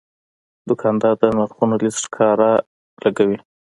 دوکاندار د نرخونو لیست ښکاره لګوي.